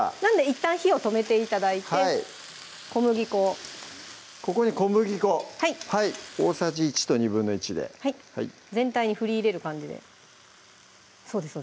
いったん火を止めて頂いて小麦粉をここに小麦粉大さじ１と１／２で全体に振り入れる感じでそうです